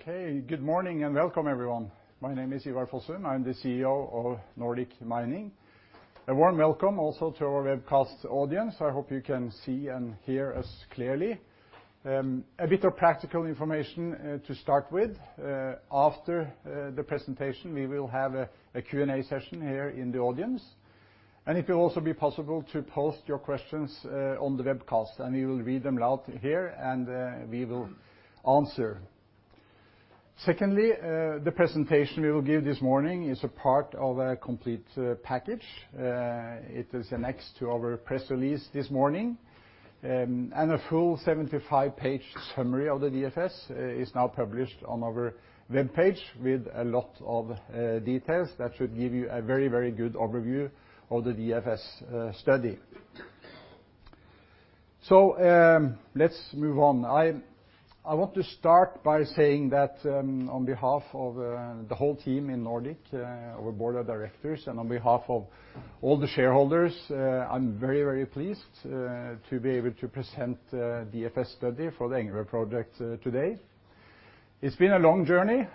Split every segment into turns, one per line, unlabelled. Okay, good morning and welcome, everyone. My name is Ivar Fossum. I'm the CEO of Nordic Mining. A warm welcome also to our webcast audience. I hope you can see and hear us clearly. A bit of practical information, to start with. After the presentation, we will have a Q&A session here in the audience. It will also be possible to post your questions on the webcast, and we will read them out here, and we will answer. Secondly, the presentation we will give this morning is a part of a complete package. It is an ex to our press release this morning. A full 75-page summary of the DFS is now published on our webpage with a lot of details that should give you a very, very good overview of the DFS study. Let's move on. I want to start by saying that, on behalf of the whole team in Nordic, our board of directors, and on behalf of all the shareholders, I'm very, very pleased to be able to present the DFS study for the Engebø project today. It's been a long journey.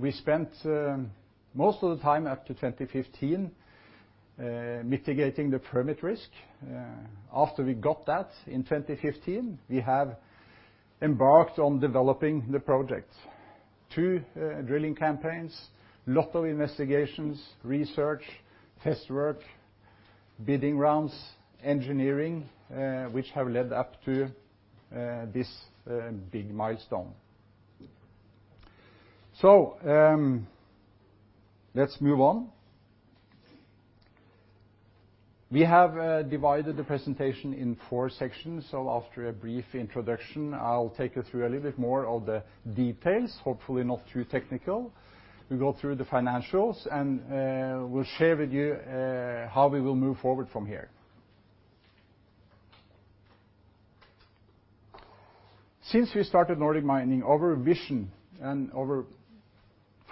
We spent most of the time up to 2015 mitigating the permit risk. After we got that in 2015, we have embarked on developing the project: two drilling campaigns, lots of investigations, research, test work, bidding rounds, engineering, which have led up to this big milestone. Let's move on. We have divided the presentation in four sections. After a brief introduction, I'll take you through a little bit more of the details, hopefully not too technical. We'll go through the financials, and we'll share with you how we will move forward from here. Since we started Nordic Mining, our vision and our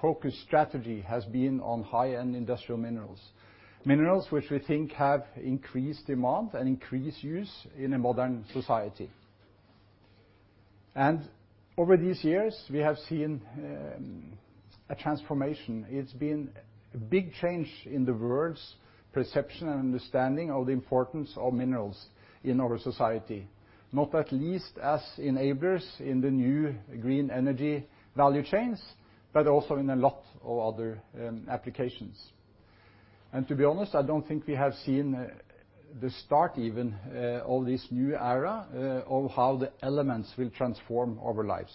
focus strategy has been on high-end industrial minerals, minerals which we think have increased demand and increased use in a modern society. Over these years, we have seen a transformation. It's been a big change in the world's perception and understanding of the importance of minerals in our society, not at least as enablers in the new green energy value chains, but also in a lot of other applications. To be honest, I don't think we have seen the start even of this new era, of how the elements will transform our lives.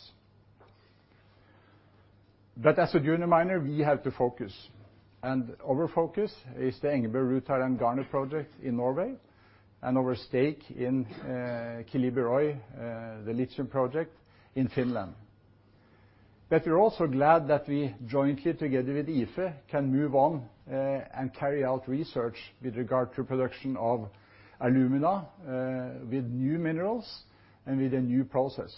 As a junior miner, we have to focus. Our focus is the Engebø rutile and garnet project in Norway and our stake in Keliber Oy, the Lithium project in Finland. We are also glad that we jointly, together with IFE, can move on and carry out research with regard to production of alumina, with new minerals and with a new process,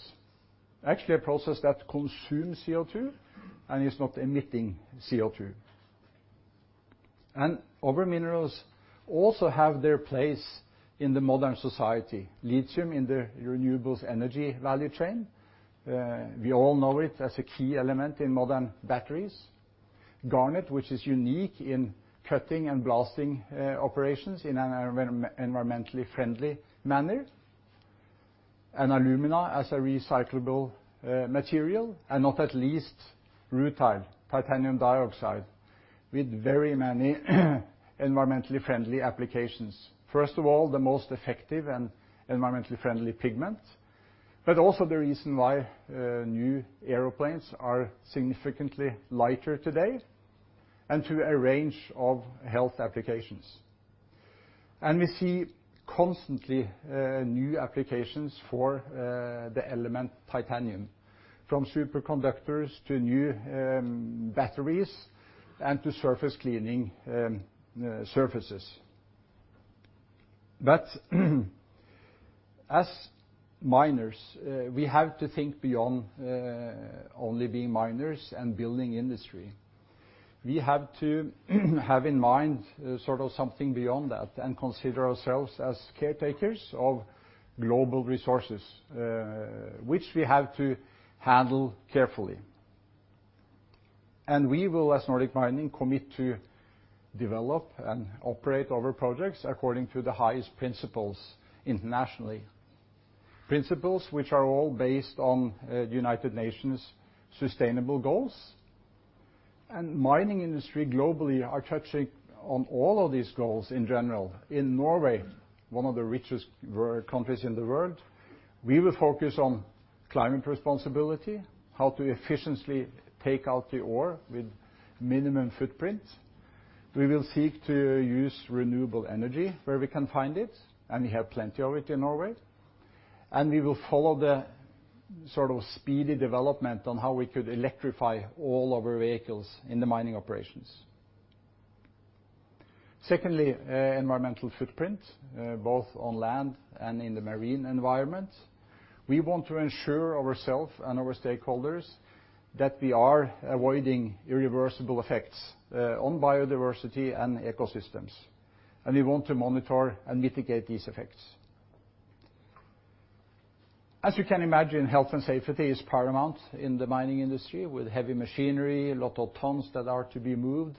actually a process that consumes CO2 and is not emitting CO2. Other minerals also have their place in modern society: Lithium in the renewables energy value chain. We all know it as a key element in modern batteries; garnet, which is unique in cutting and blasting operations in an environmentally friendly manner; and alumina as a recyclable material; and not at least rutile, titanium dioxide, with very many environmentally friendly applications. First of all, the most effective and environmentally friendly pigment, but also the reason why new aeroplanes are significantly lighter today, and to a range of health applications. We see constantly, new applications for the element titanium, from superconductors to new batteries and to surface cleaning, surfaces. As miners, we have to think beyond only being miners and building industry. We have to have in mind, sort of something beyond that and consider ourselves as caretakers of global resources, which we have to handle carefully. We will, as Nordic Mining, commit to develop and operate our projects according to the highest principles internationally, principles which are all based on United Nations' sustainable goals. Mining industry globally are touching on all of these goals in general. In Norway, one of the richest countries in the world, we will focus on climate responsibility, how to efficiently take out the ore with minimum footprint. We will seek to use renewable energy where we can find it, and we have plenty of it in Norway. We will follow the sort of speedy development on how we could electrify all of our vehicles in the mining operations. Secondly, environmental footprint, both on land and in the marine environment. We want to ensure ourself and our stakeholders that we are avoiding irreversible effects on biodiversity and ecosystems. We want to monitor and mitigate these effects. As you can imagine, health and safety is paramount in the mining industry with heavy machinery, lots of tons that are to be moved.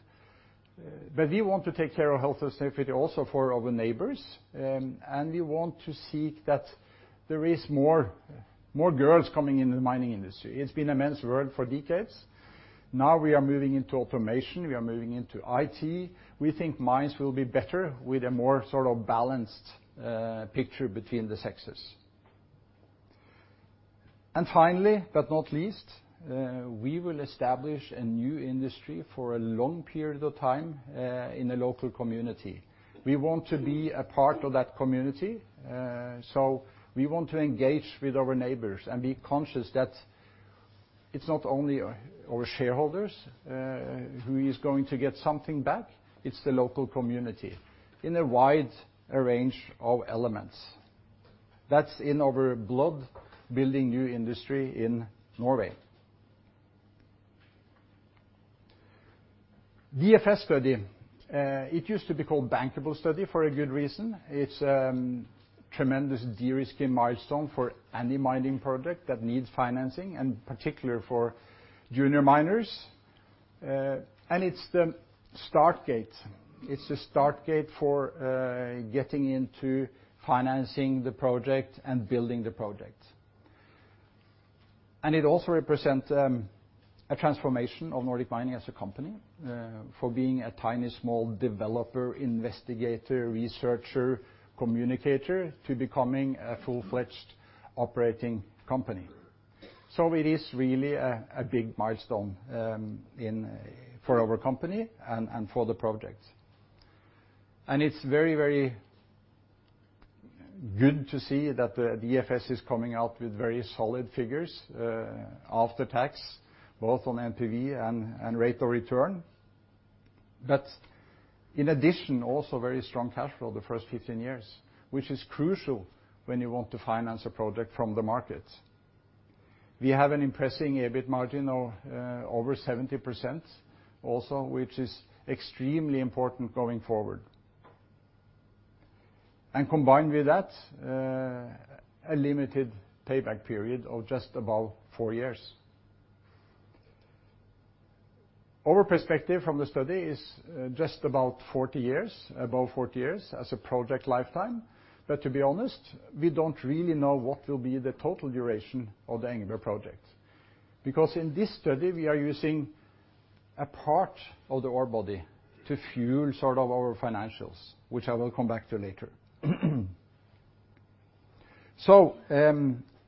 We want to take care of health and safety also for our neighbors. We want to seek that there is more, more girls coming into the mining industry. It's been a men's world for decades. Now we are moving into automation. We are moving into IT. We think mines will be better with a more sort of balanced picture between the sexes. Finally, but not least, we will establish a new industry for a long period of time, in a local community. We want to be a part of that community. We want to engage with our neighbors and be conscious that it's not only our shareholders who are going to get something back. It's the local community in a wide range of elements. That's in our blood, building new industry in Norway. DFS study, it used to be called bankable study for a good reason. It's a tremendous de-risking milestone for any mining project that needs financing, and particularly for junior miners. It's the start gate. It's the start gate for getting into financing the project and building the project. It also represents a transformation of Nordic Mining as a company, from being a tiny small developer, investigator, researcher, communicator to becoming a full-fledged operating company. It is really a big milestone for our company and for the project. It is very, very good to see that the DFS is coming out with very solid figures, after tax, both on NPV and rate of return. In addition, also very strong cash flow the first 15 years, which is crucial when you want to finance a project from the market. We have an impressing EBIT margin of over 70% also, which is extremely important going forward. Combined with that, a limited payback period of just about four years. Our perspective from the study is just about 40 years, above 40 years as a project lifetime. To be honest, we don't really know what will be the total duration of the Engebø project, because in this study, we are using a part of the ore body to fuel sort of our financials, which I will come back to later.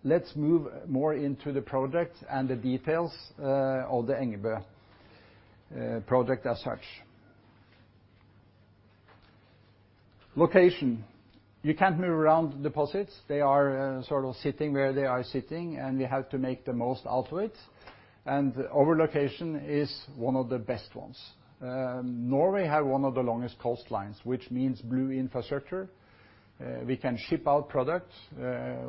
Let's move more into the project and the details of the Engebø project as such. Location. You can't move around deposits. They are sort of sitting where they are sitting, and we have to make the most out of it. Our location is one of the best ones. Norway has one of the longest coastlines, which means blue infrastructure. We can ship out product.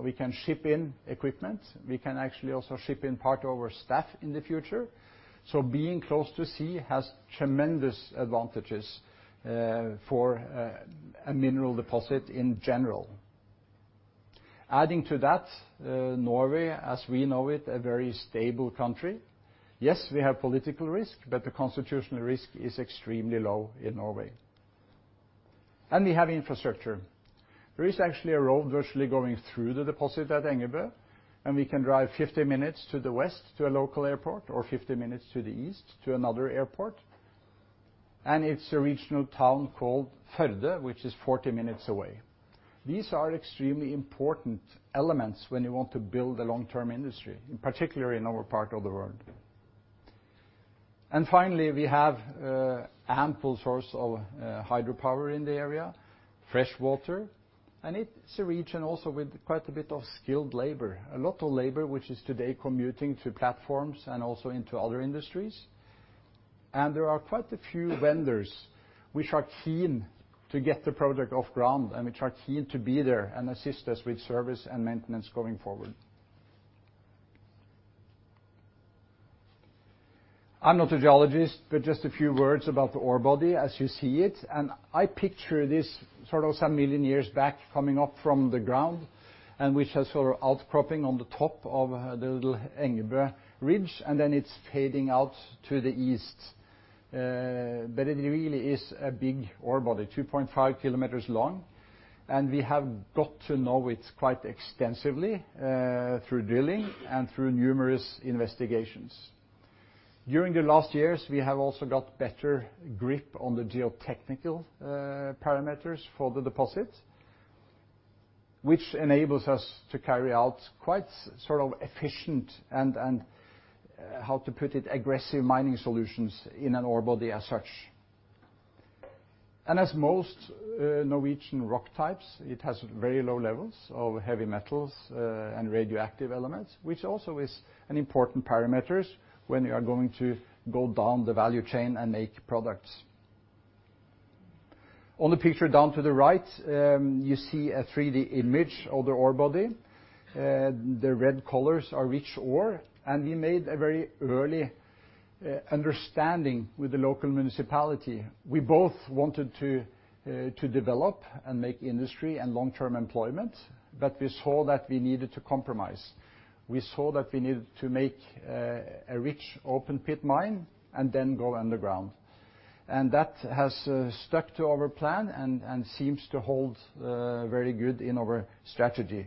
We can ship in equipment. We can actually also ship in part of our staff in the future. Being close to sea has tremendous advantages for a mineral deposit in general. Adding to that, Norway, as we know it, a very stable country. Yes, we have political risk, but the constitutional risk is extremely low in Norway. We have infrastructure. There is actually a road virtually going through the deposit at Engebø, and we can drive 50 minutes to the west to a local airport, or 50 minutes to the east to another airport. It is a regional town called Førde, which is 40 minutes away. These are extremely important elements when you want to build a long-term industry, particularly in our part of the world. Finally, we have an ample source of hydropower in the area, fresh water. It is a region also with quite a bit of skilled labor, a lot of labor which is today commuting to platforms and also into other industries. There are quite a few vendors which are keen to get the product off ground and which are keen to be there and assist us with service and maintenance going forward. I'm not a geologist, but just a few words about the ore body as you see it. I picture this sort of some million years back coming up from the ground and which has sort of outcropping on the top of the little Engebø ridge, and then it's fading out to the east. It really is a big ore body, 2.5 kilometers long. We have got to know it quite extensively, through drilling and through numerous investigations. During the last years, we have also got better grip on the geotechnical parameters for the deposit, which enables us to carry out quite sort of efficient and, how to put it, aggressive mining solutions in an ore body as such. As most Norwegian rock types, it has very low levels of heavy metals and radioactive elements, which also is an important parameter when you are going to go down the value chain and make products. On the picture down to the right, you see a 3D image of the ore body. The red colors are rich ore. We made a very early understanding with the local municipality. We both wanted to develop and make industry and long-term employment, but we saw that we needed to compromise. We saw that we needed to make a rich open pit mine and then go underground. That has stuck to our plan and seems to hold very good in our strategy.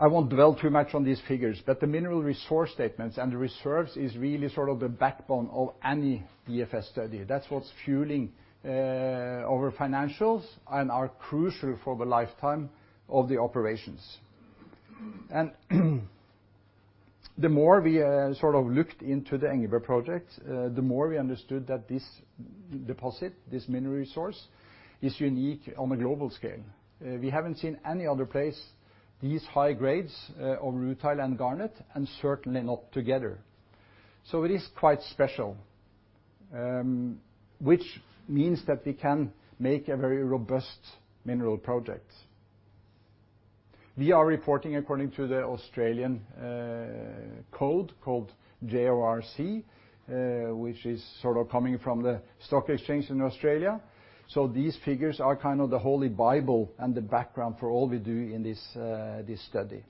I won't dwell too much on these figures, but the mineral resource statements and the reserves is really sort of the backbone of any DFS study. That's what's fueling our financials and are crucial for the lifetime of the operations. The more we sort of looked into the Engebø project, the more we understood that this deposit, this mineral resource is unique on a global scale. We haven't seen any other place these high grades of rutile and garnet and certainly not together. It is quite special, which means that we can make a very robust mineral project. We are reporting according to the Australian code called JORC, which is sort of coming from the stock exchange in Australia. These figures are kind of the Holy Bible and the background for all we do in this study.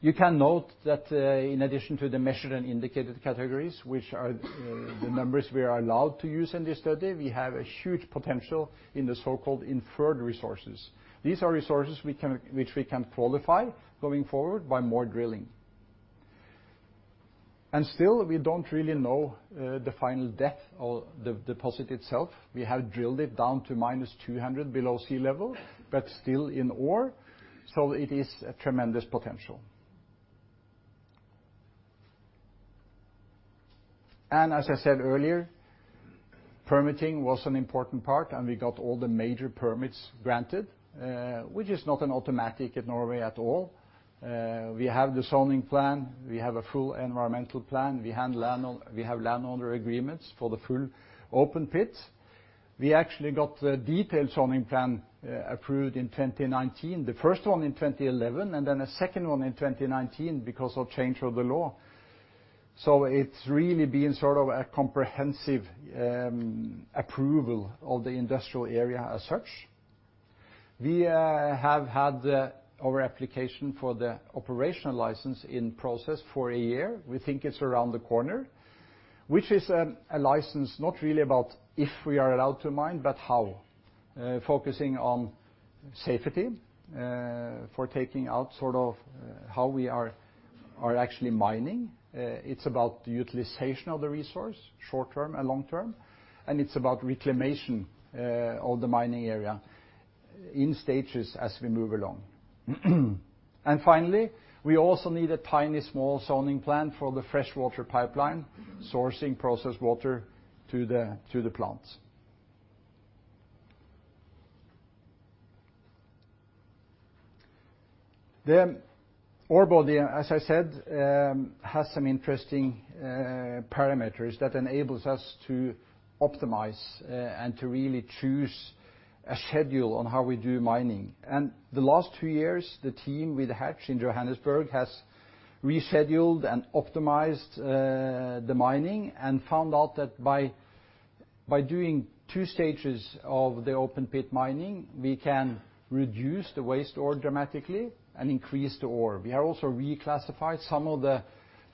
You can note that, in addition to the measured and indicated categories, which are the numbers we are allowed to use in this study, we have a huge potential in the so-called inferred resources. These are resources which we can qualify going forward by more drilling. Still, we do not really know the final depth of the deposit itself. We have drilled it down to minus 200 below sea level, but still in ore. It is a tremendous potential. As I said earlier, permitting was an important part, and we got all the major permits granted, which is not automatic in Norway at all. We have the zoning plan. We have a full environmental plan. We handle landowner agreements for the full open pit. We actually got the detailed zoning plan approved in 2019, the first one in 2011, and then a second one in 2019 because of change of the law. It has really been sort of a comprehensive approval of the industrial area as such. We have had our application for the operational license in process for a year. We think it is around the corner, which is a license not really about if we are allowed to mine, but how, focusing on safety, for taking out sort of how we are actually mining. It is about the utilization of the resource short term and long term. It is about reclamation of the mining area in stages as we move along. Finally, we also need a tiny small zoning plan for the freshwater pipeline sourcing process water to the plants. The ore body, as I said, has some interesting parameters that enables us to optimize, and to really choose a schedule on how we do mining. In the last two years, the team with Hatch in Johannesburg has rescheduled and optimized the mining and found out that by doing two stages of the open pit mining, we can reduce the waste ore dramatically and increase the ore. We have also reclassified some of the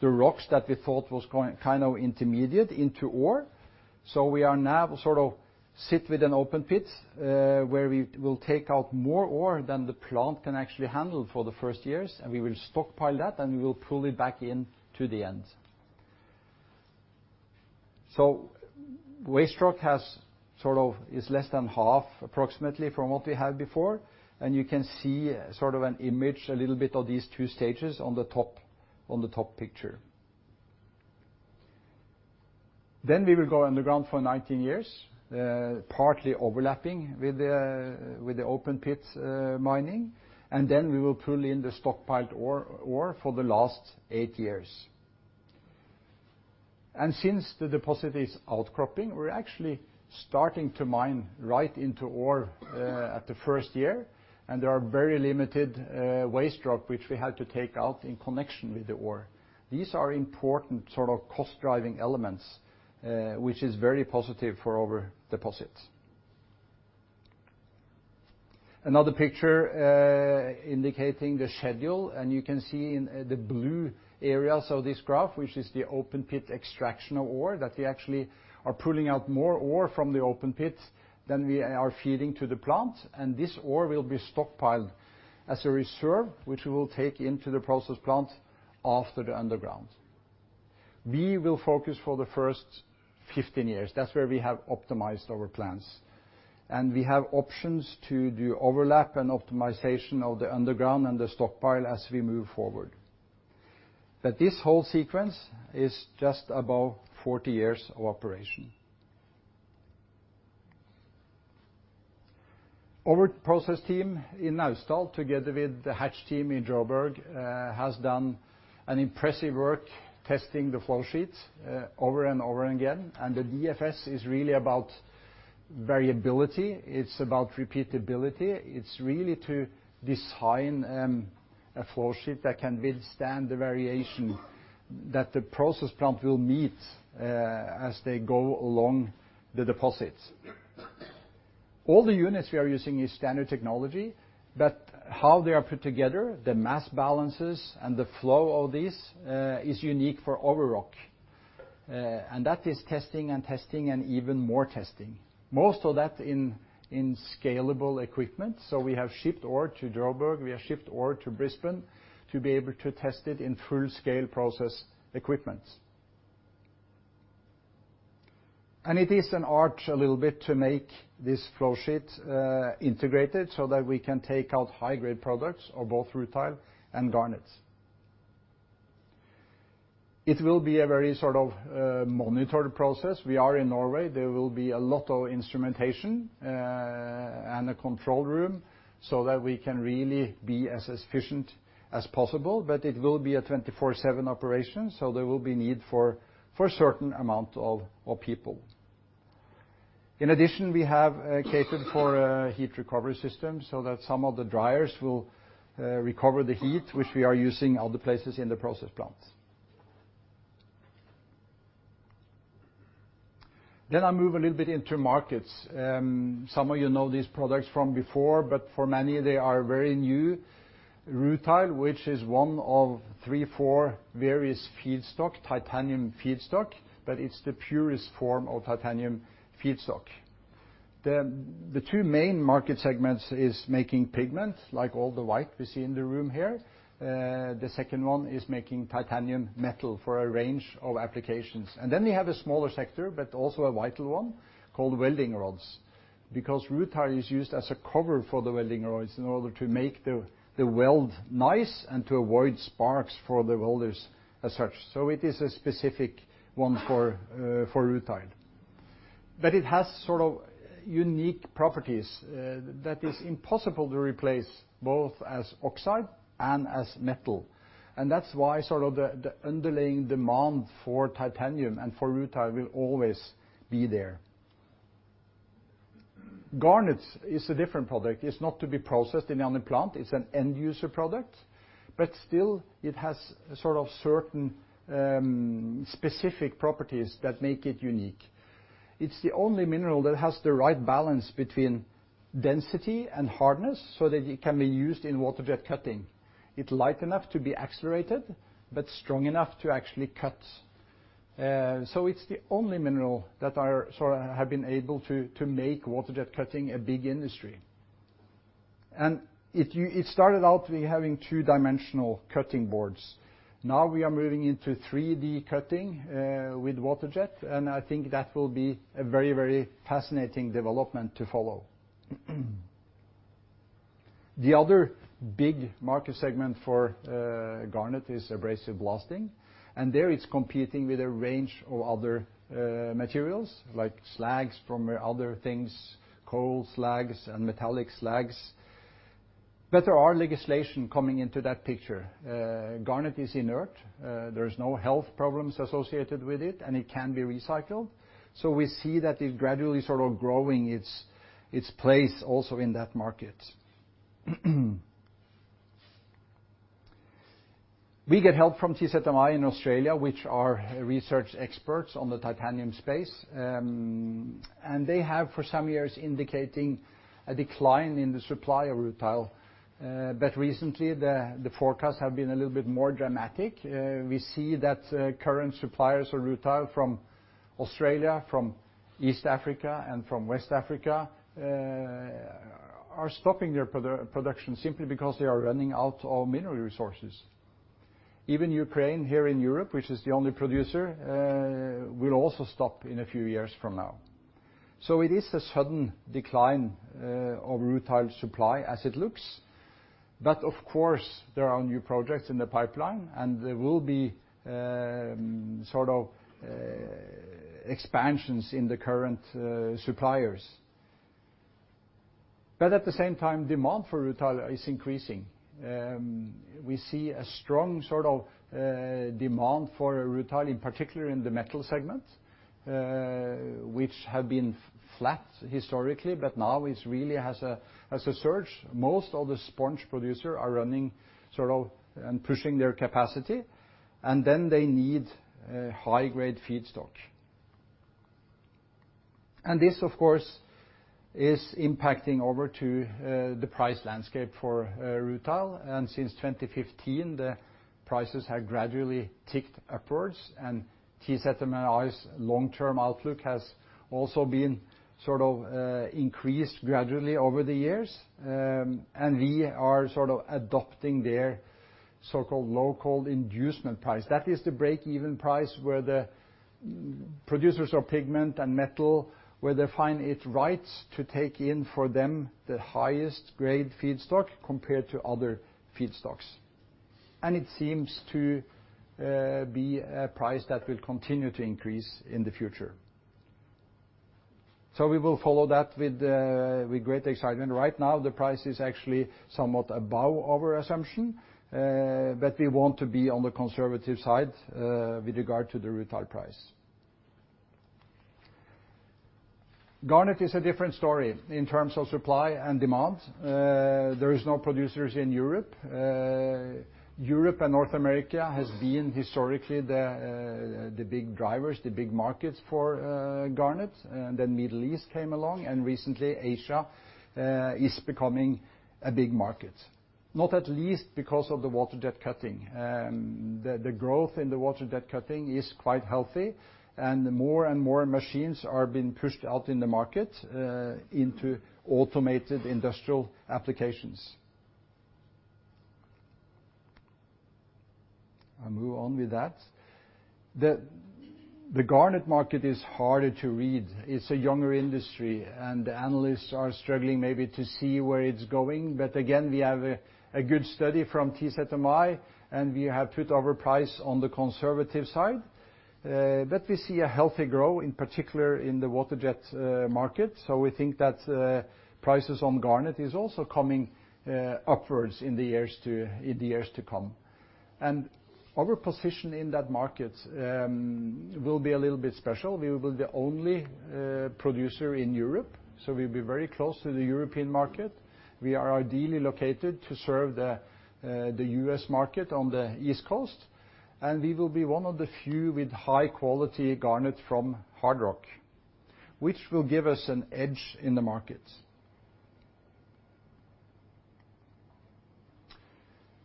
rocks that we thought was kind of intermediate into ore. We are now sort of sit with an open pit, where we will take out more ore than the plant can actually handle for the first years, and we will stockpile that, and we will pull it back in to the end. Waste rock is less than half approximately from what we had before. You can see sort of an image, a little bit of these two stages on the top, on the top picture. We will go underground for 19 years, partly overlapping with the open pit mining. We will pull in the stockpiled ore for the last eight years. Since the deposit is outcropping, we are actually starting to mine right into ore in the first year. There are very limited waste drops, which we had to take out in connection with the ore. These are important sort of cost-driving elements, which is very positive for our deposit. Another picture indicating the schedule. You can see in the blue areas of this graph, which is the open pit extraction of ore, that we actually are pulling out more ore from the open pit than we are feeding to the plant. This ore will be stockpiled as a reserve, which we will take into the process plant after the underground. We will focus for the first 15 years. That is where we have optimized our plans. We have options to do overlap and optimization of the underground and the stockpile as we move forward. This whole sequence is just about 40 years of operation. Our process team in Naustdal, together with the Hatch team in Johannesburg, has done impressive work testing the flow sheets over and over again. The DFS is really about variability. It is about repeatability. It is really to design a flow sheet that can withstand the variation that the process plant will meet as they go along the deposit. All the units we are using is standard technology, but how they are put together, the mass balances and the flow of these, is unique for our rock. That is testing and testing and even more testing. Most of that in scalable equipment. We have shipped ore to Johannesburg. We have shipped ore to Brisbane to be able to test it in full-scale process equipment. It is an art a little bit to make this flow sheet, integrated so that we can take out high-grade products of both rutile and garnet. It will be a very sort of monitored process. We are in Norway. There will be a lot of instrumentation, and a control room so that we can really be as efficient as possible. It will be a 24/7 operation, so there will be need for a certain amount of people. In addition, we have catered for a heat recovery system so that some of the dryers will recover the heat, which we are using other places in the process plant. I move a little bit into markets. Some of you know these products from before, but for many, they are very new. Rutile, which is one of three, four various feedstock, titanium feedstock, but it is the purest form of titanium feedstock. The two main market segments is making pigment, like all the white we see in the room here. The second one is making titanium metal for a range of applications. We have a smaller sector, but also a vital one called welding rods, because rutile is used as a cover for the welding rods in order to make the weld nice and to avoid sparks for the welders as such. It is a specific one for rutile. It has sort of unique properties, that is impossible to replace both as oxide and as metal. That's why the underlying demand for titanium and for rutile will always be there. Garnet is a different product. It's not to be processed in any plant. It's an end-user product, but still it has certain, specific properties that make it unique. It's the only mineral that has the right balance between density and hardness so that it can be used in water jet cutting. It's light enough to be accelerated, but strong enough to actually cut. It's the only mineral that has been able to make water jet cutting a big industry. It started out with having two-dimensional cutting boards. Now we are moving into 3D cutting, with water jet. I think that will be a very, very fascinating development to follow. The other big market segment for garnet is abrasive blasting. There it's competing with a range of other materials like slags from other things, coal slags and metallic slags. There are legislation coming into that picture. Garnet is inert. There's no health problems associated with it, and it can be recycled. We see that it's gradually sort of growing its place also in that market. We get help from TZMI in Australia, which are research experts on the titanium space. They have for some years indicating a decline in the supply of rutile. Recently the forecasts have been a little bit more dramatic. We see that current suppliers of rutile from Australia, from East Africa, and from West Africa are stopping their production simply because they are running out of mineral resources. Even Ukraine here in Europe, which is the only producer, will also stop in a few years from now. It is a sudden decline of rutile supply as it looks. Of course, there are new projects in the pipeline, and there will be sort of expansions in the current suppliers. At the same time, demand for rutile is increasing. We see a strong sort of demand for rutile, in particular in the metal segment, which had been flat historically, but now it really has a surge. Most of the sponge producers are running sort of and pushing their capacity. They need high-grade feedstock. This, of course, is impacting over to the price landscape for rutile. Since 2015, the prices have gradually ticked upwards. TZMI's long-term outlook has also been sort of increased gradually over the years. We are sort of adopting their so-called local inducement price. That is the break-even price where the producers of pigment and metal find it right to take in for them the highest-grade feedstock compared to other feedstocks. It seems to be a price that will continue to increase in the future. We will follow that with great excitement. Right now, the price is actually somewhat above our assumption. We want to be on the conservative side with regard to the rutile price. Garnet is a different story in terms of supply and demand. There are no producers in Europe. Europe and North America have been historically the big drivers, the big markets for garnet. Then the Middle East came along, and recently Asia is becoming a big market, not at least because of the water jet cutting. The growth in the water jet cutting is quite healthy, and more and more machines are being pushed out in the market, into automated industrial applications. I'll move on with that. The garnet market is harder to read. It's a younger industry, and the analysts are struggling maybe to see where it's going. Again, we have a good study from TZMI, and we have put our price on the conservative side. We see a healthy grow, in particular in the water jet market. We think that prices on garnet are also coming upwards in the years to come. Our position in that market will be a little bit special. We will be the only producer in Europe, so we'll be very close to the European market. We are ideally located to serve the US market on the East Coast. We will be one of the few with high-quality garnet from hard rock, which will give us an edge in the market.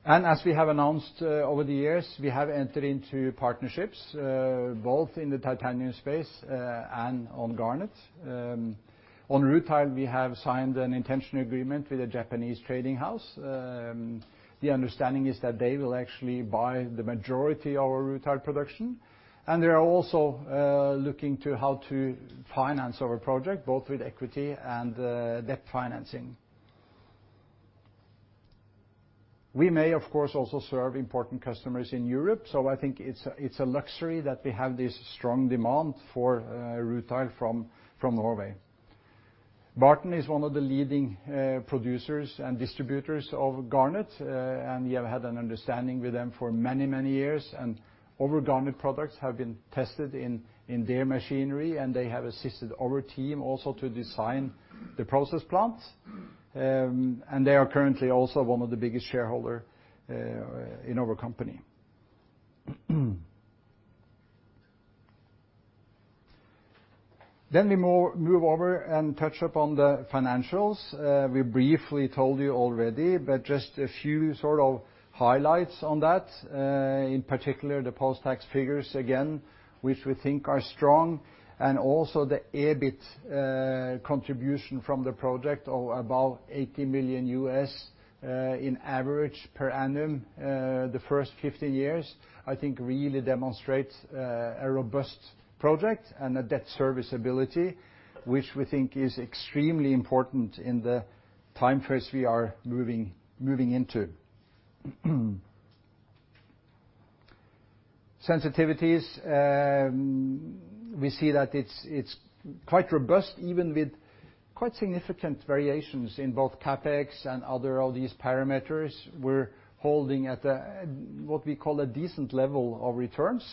As we have announced over the years, we have entered into partnerships both in the titanium space and on garnet. On rutile, we have signed an intentional agreement with a Japanese trading house. The understanding is that they will actually buy the majority of our rutile production. They are also looking to how to finance our project, both with equity and debt financing. We may, of course, also serve important customers in Europe. I think it's a luxury that we have this strong demand for rutile from Norway. Barton is one of the leading producers and distributors of garnet, and we have had an understanding with them for many, many years. Our garnet products have been tested in their machinery, and they have assisted our team also to design the process plant. They are currently also one of the biggest shareholders in our company. We move over and touch upon the financials. We briefly told you already, but just a few sort of highlights on that, in particular the post-tax figures again, which we think are strong. Also, the EBIT contribution from the project of about $80 million, in average per annum, the first 15 years, I think really demonstrates a robust project and a debt serviceability, which we think is extremely important in the time phase we are moving into. Sensitivities, we see that it's quite robust, even with quite significant variations in both CapEx and other of these parameters. We're holding at what we call a decent level of returns,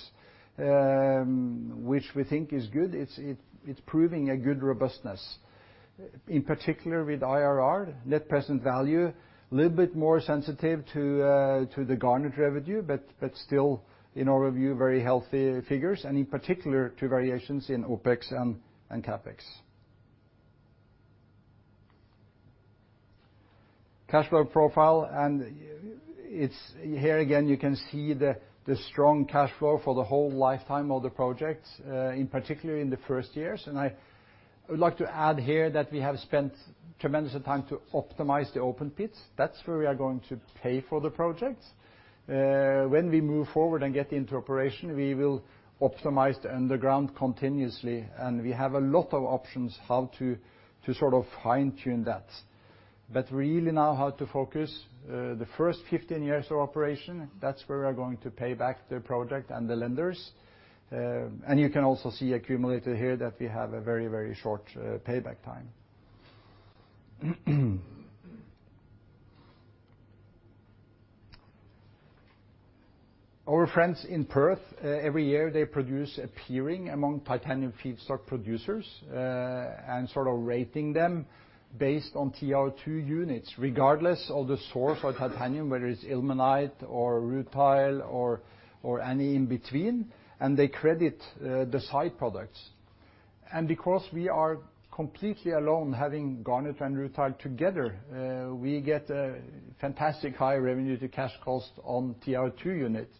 which we think is good. It's proving a good robustness, in particular with IRR, net present value, a little bit more sensitive to the garnet revenue, but still in our view, very healthy figures, and in particular to variations in OpEx and CapEx. Cash flow profile, and it's here again, you can see the strong cash flow for the whole lifetime of the project, in particular in the first years. I would like to add here that we have spent tremendous time to optimize the open pits. That's where we are going to pay for the projects. When we move forward and get into operation, we will optimize the underground continuously. We have a lot of options how to sort of fine-tune that. Really now how to focus, the first 15 years of operation, that's where we are going to pay back the project and the lenders. You can also see accumulated here that we have a very, very short payback time. Our friends in Perth, every year they produce a peering among titanium feedstock producers, and sort of rating them based on TR2 units, regardless of the source of titanium, whether it's ilmenite or rutile or any in between. They credit the side products. Because we are completely alone having garnet and rutile together, we get a fantastic high revenue to cash cost on TR2 units,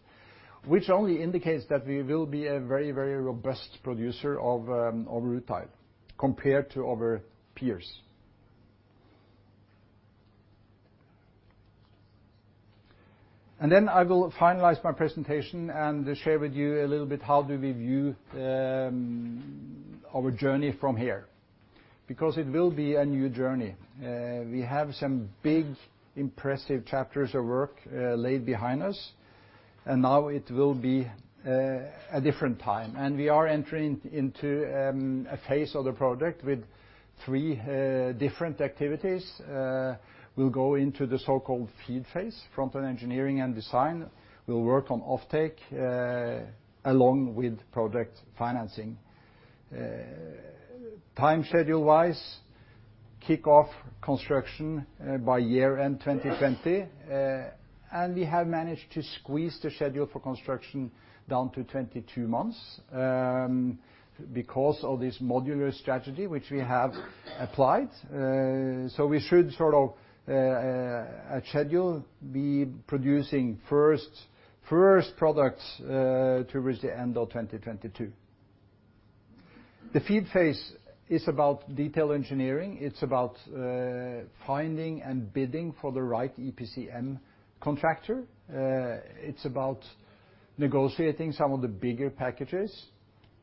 which only indicates that we will be a very, very robust producer of rutile compared to our peers. I will finalize my presentation and share with you a little bit how do we view our journey from here, because it will be a new journey. We have some big, impressive chapters of work laid behind us. Now it will be a different time. We are entering into a phase of the project with three different activities. We'll go into the so-called feed phase, front-end engineering and design. We'll work on offtake, along with project financing. Time schedule-wise, kick off construction by year-end 2020. We have managed to squeeze the schedule for construction down to 22 months, because of this modular strategy, which we have applied. We should, at schedule, be producing first products towards the end of 2022. The feed phase is about detailed engineering. It's about finding and bidding for the right EPCM contractor. It's about negotiating some of the bigger packages.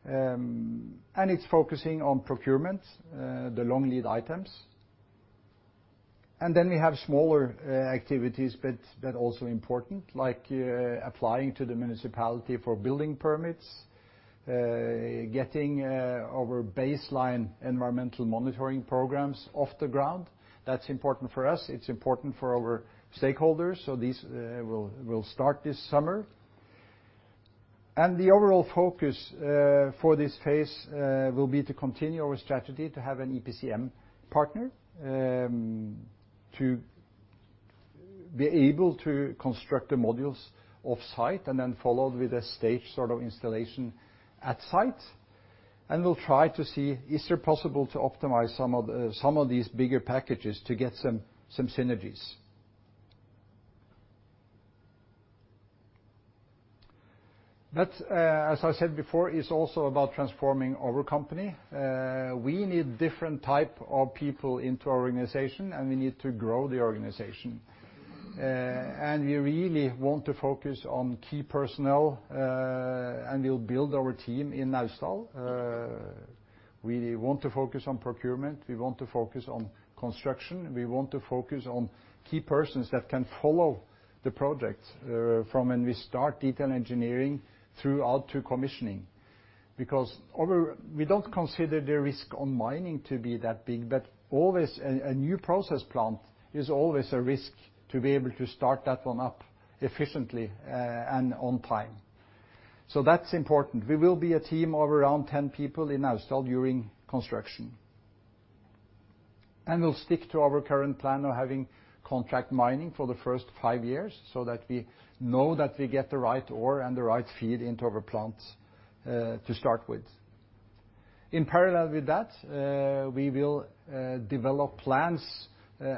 It's focusing on procurement, the long lead items. We have smaller activities, but that also important, like applying to the municipality for building permits, getting our baseline environmental monitoring programs off the ground. That's important for us. It's important for our stakeholders. These will start this summer. The overall focus for this phase will be to continue our strategy to have an EPCM partner, to be able to construct the modules off-site and then followed with a stage sort of installation at site. We will try to see, is it possible to optimize some of these bigger packages to get some synergies. As I said before, it is also about transforming our company. We need different types of people into our organization, and we need to grow the organization. We really want to focus on key personnel, and we will build our team in Naustdal. We want to focus on procurement. We want to focus on construction. We want to focus on key persons that can follow the project, from when we start detailed engineering throughout to commissioning, because we do not consider the risk on mining to be that big, but always, a new process plant is always a risk to be able to start that one up efficiently, and on time. That is important. We will be a team of around 10 people in Naustdal during construction. We will stick to our current plan of having contract mining for the first five years so that we know that we get the right ore and the right feed into our plants, to start with. In parallel with that, we will develop plans,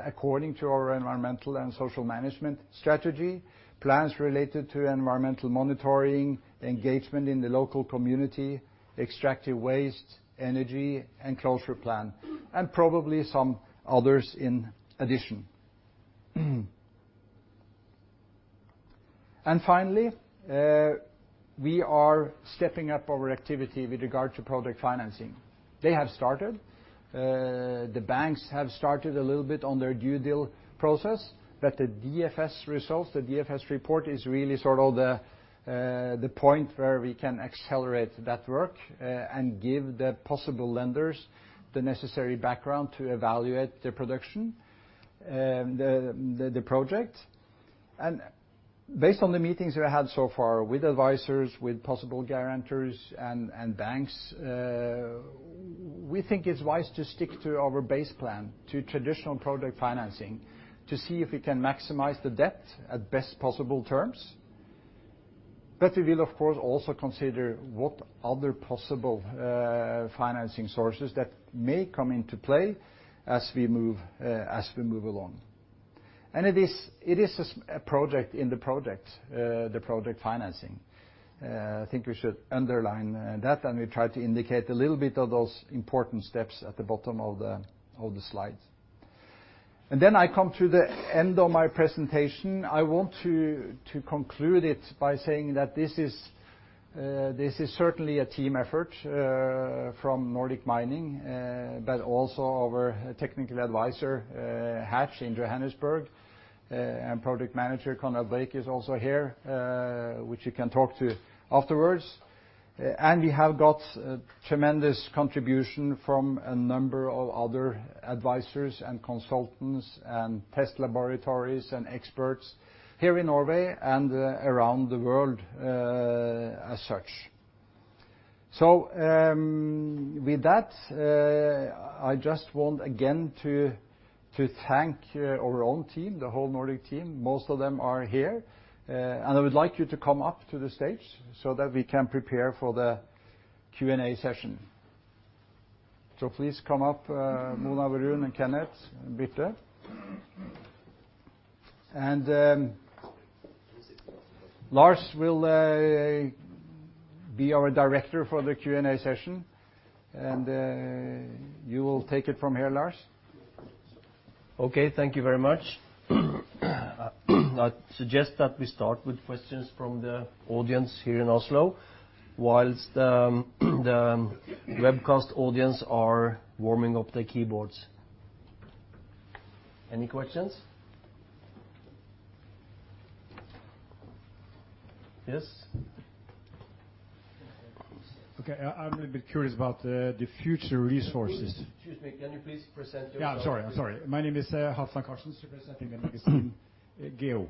according to our environmental and social management strategy, plans related to environmental monitoring, engagement in the local community, extractive waste, energy, and closure plan, and probably some others in addition. Finally, we are stepping up our activity with regard to project financing. They have started. The banks have started a little bit on their due dil process, but the DFS results, the DFS report is really sort of the point where we can accelerate that work, and give the possible lenders the necessary background to evaluate the production, the project. Based on the meetings we've had so far with advisors, with possible guarantors and banks, we think it's wise to stick to our base plan, to traditional project financing, to see if we can maximize the debt at best possible terms. We will, of course, also consider what other possible financing sources that may come into play as we move along. It is a project in the project, the project financing. I think we should underline that, and we try to indicate a little bit of those important steps at the bottom of the slides. I come to the end of my presentation. I want to conclude it by saying that this is certainly a team effort, from Nordic Mining, but also our technical advisor, Hatch in Johannesburg, and project manager Conrad Blake is also here, which you can talk to afterwards. We have got a tremendous contribution from a number of other advisors and consultants and test laboratories and experts here in Norway and around the world, as such. With that, I just want again to thank our own team, the whole Nordic team. Most of them are here. I would like you to come up to the stage so that we can prepare for the Q&A session. Please come up, Mona Schanche and Kenneth, Birte. Lars will be our director for the Q&A session. You will take it from here, Lars.
Okay. Thank you very much. I suggest that we start with questions from the audience here in Oslo whilst the webcast audience are warming up their keyboards. Any questions? Yes.
I am a bit curious about the future resources.
Excuse me. Can you please present yourself?
Yeah. I am sorry. I am sorry. My name is Hafsan Karsen, supervising the magazine Gjerde.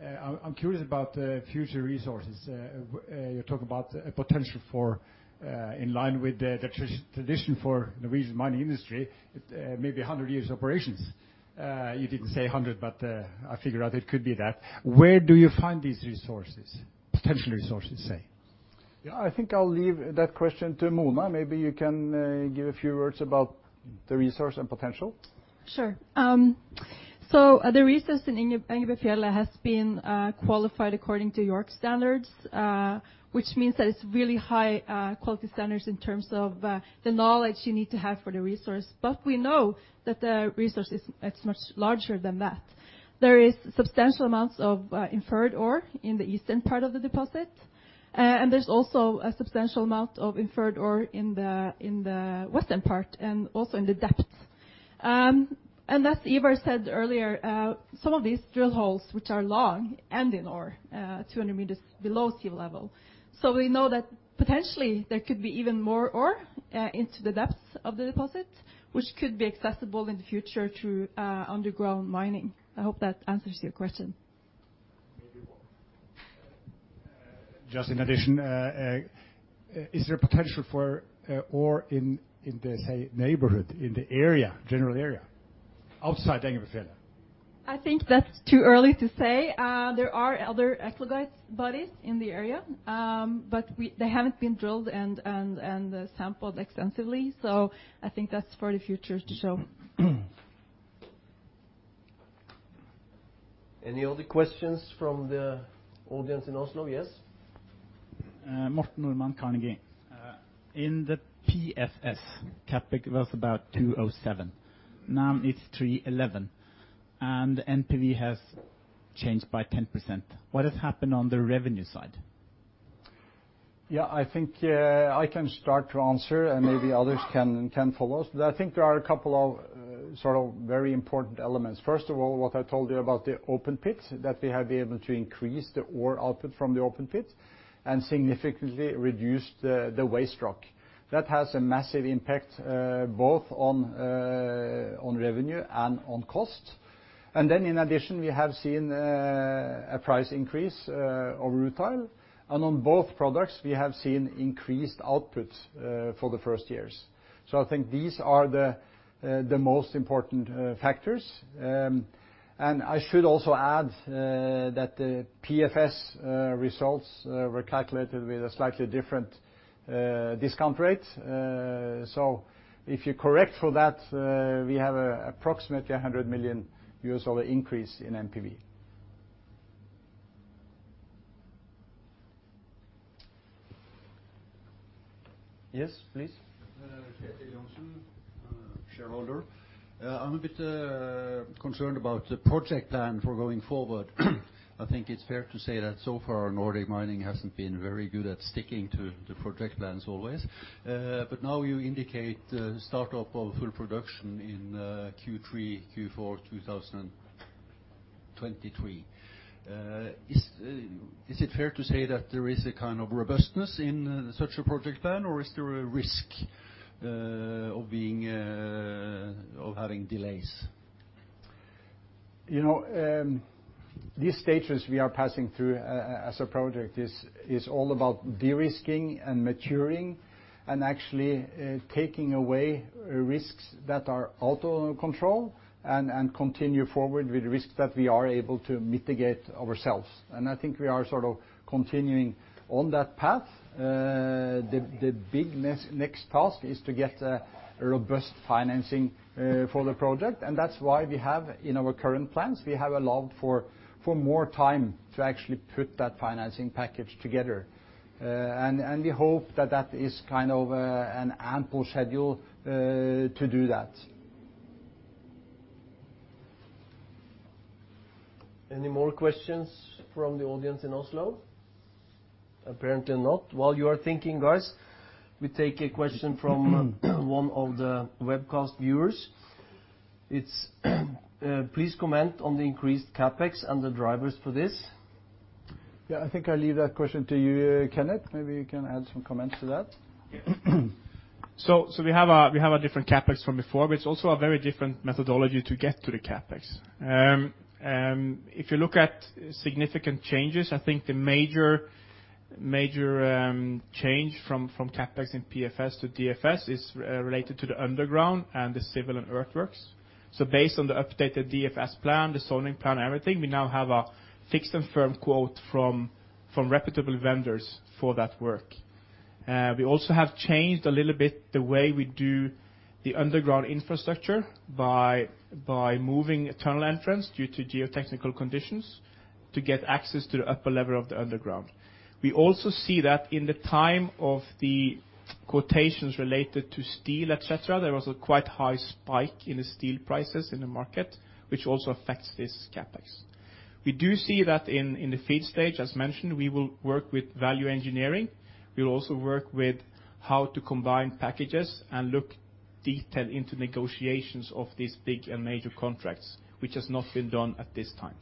I am curious about future resources. You are talking about a potential for, in line with the tradition for Norwegian mining industry, maybe 100 years of operations. You did not say 100, but I figured out it could be that. Where do you find these resources, potential resources, say?
Yeah. I think I will leave that question to Mona. Maybe you can give a few words about the resource and potential.
Sure. The resource in Engebefjell has been qualified according to JORC standards, which means that it's really high quality standards in terms of the knowledge you need to have for the resource. We know that the resource is much larger than that. There is substantial amounts of inferred ore in the eastern part of the deposit. There is also a substantial amount of inferred ore in the western part and also in the depths. As Ivar said earlier, some of these drill holes, which are long, end in ore, 200 meters below sea level. We know that potentially there could be even more ore into the depths of the deposit, which could be accessible in the future through underground mining. I hope that answers your question.
Just in addition, is there potential for ore in, in the, say, neighborhood, in the area, general area outside Englafjell?
I think that's too early to say. There are other exogytes bodies in the area, but we, they haven't been drilled and, and sampled extensively. I think that's for the future to show.
Any other questions from the audience in Oslo? Yes.
Morten Normann, Carnegie. In the PFS, CapEx was about $207 million. Now it's $311 million, and the NPV has changed by 10%. What has happened on the revenue side?
Yeah. I think I can start to answer, and maybe others can follow us. I think there are a couple of, sort of very important elements. First of all, what I told you about the open pits, that we have been able to increase the ore output from the open pits and significantly reduced the waste rock. That has a massive impact, both on revenue and on cost. In addition, we have seen a price increase of rutile. On both products, we have seen increased output for the first years. I think these are the most important factors. I should also add that the PFS results were calculated with a slightly different discount rate. If you correct for that, we have approximately $100 million increase in NPV.
Yes, please. Jette Jønsson, shareholder. I'm a bit concerned about the project plan for going forward. I think it's fair to say that so far Nordic Mining hasn't been very good at sticking to the project plans always. Now you indicate the startup of full production in Q3, Q4, 2023. Is it fair to say that there is a kind of robustness in such a project plan, or is there a risk of being, of having delays?
You know, these stages we are passing through as a project is all about de-risking and maturing and actually taking away risks that are out of control and continue forward with risks that we are able to mitigate ourselves. I think we are sort of continuing on that path. The big next task is to get a robust financing for the project. That is why we have in our current plans, we have allowed for more time to actually put that financing package together, and we hope that that is kind of an ample schedule to do that.
Any more questions from the audience in Oslo? Apparently not. While you are thinking, guys, we take a question from one of the webcast viewers. It is, please comment on the increased CapEx and the drivers for this.
Yeah. I think I leave that question to you, Kenneth. Maybe you can add some comments to that.
We have a different CapEx from before, but it is also a very different methodology to get to the CapEx. If you look at significant changes, I think the major, major change from CapEx in PFS to DFS is related to the underground and the civil and earthworks. Based on the updated DFS plan, the zoning plan, everything, we now have a fixed and firm quote from reputable vendors for that work. We also have changed a little bit the way we do the underground infrastructure by moving tunnel entrance due to geotechnical conditions to get access to the upper level of the underground. We also see that in the time of the quotations related to steel, et cetera, there was a quite high spike in the steel prices in the market, which also affects this CapEx. We do see that in the feed stage, as mentioned, we will work with value engineering. We'll also work with how to combine packages and look detail into negotiations of these big and major contracts, which has not been done at this time.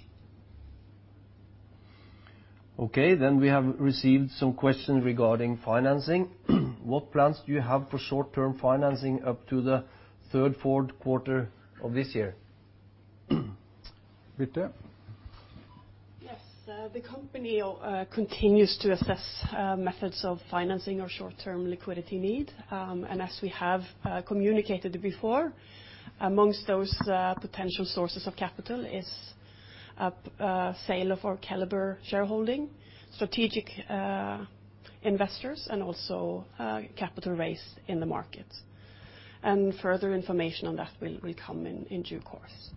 Okay. We have received some questions regarding financing. What plans do you have for short-term financing up to the third, fourth quarter of this year? Birte.
Yes. The company continues to assess methods of financing our short-term liquidity need. As we have communicated before, amongst those potential sources of capital is sale of our Keliber shareholding, strategic investors, and also capital raised in the market. Further information on that will come in due course.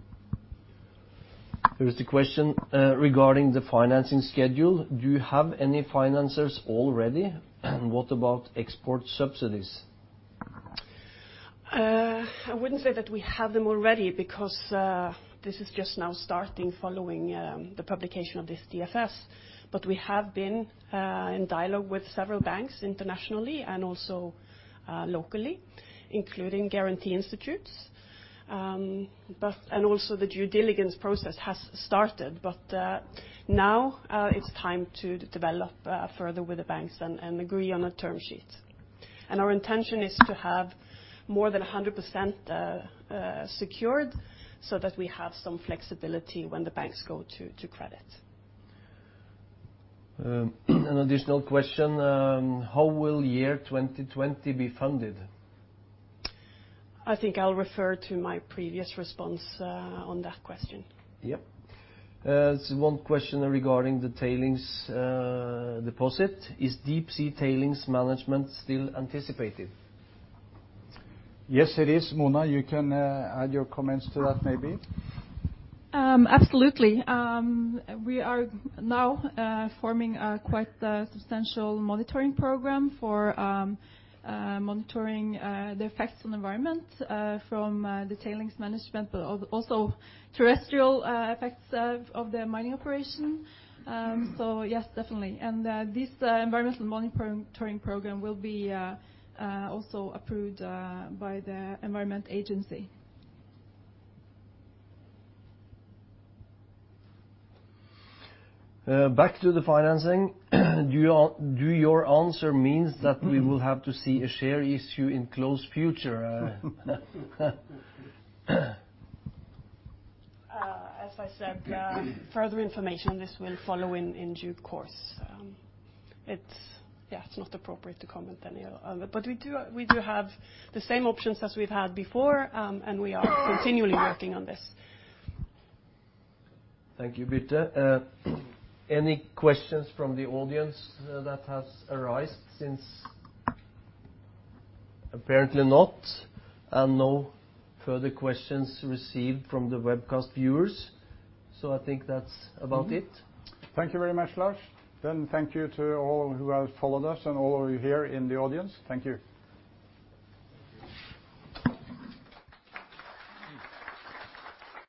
There is a question regarding the financing schedule. Do you have any financers already? What about export subsidies?
I would not say that we have them already because this is just now starting following the publication of this DFS, but we have been in dialogue with several banks internationally and also locally, including guarantee institutes. Also, the due diligence process has started, but now, it's time to develop further with the banks and agree on a term sheet. Our intention is to have more than 100% secured so that we have some flexibility when the banks go to credit.
An additional question: how will year 2020 be funded?
I think I'll refer to my previous response on that question.
Yep. One question regarding the tailings deposit. Is deep sea tailings management still anticipated?
Yes, it is. Mona, you can add your comments to that maybe.
Absolutely. We are now forming a quite substantial monitoring program for monitoring the effects on the environment from the tailings management, but also terrestrial effects of the mining operation. Yes, definitely. This environmental monitoring program will be also approved by the Environment Agency.
Back to the financing. Do your answer mean that we will have to see a share issue in the close future?
As I said, further information on this will follow in due course. It is not appropriate to comment on any of it, but we do have the same options as we have had before, and we are continually working on this.
Thank you, Birte. Any questions from the audience that have arisen since? Apparently not. No further questions received from the webcast viewers. I think that is about it.
Thank you very much, Lars. Thank you to all who have followed us and all of you here in the audience. Thank you.